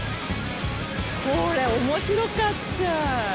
これ面白かった。